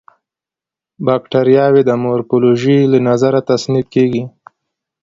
باکټریاوې د مورفولوژي له نظره تصنیف کیږي.